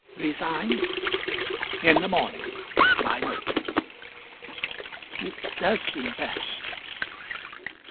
"Resign?" "In the morning by note." "It does seem best."